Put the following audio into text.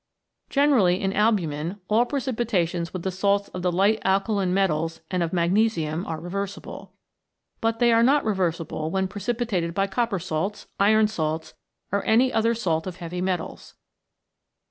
Generally in albumin all precipitations with the salts of the light alkaline metals and of magnesium are reversible. But they are not reversible when precipitated by copper salts, iron salts, or any other salt of heavy metals.